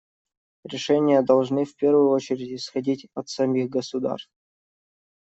Решения должны, в первую очередь, исходить от самих государств.